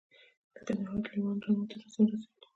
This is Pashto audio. د کندهار لیوان رمو ته زیان رسوي؟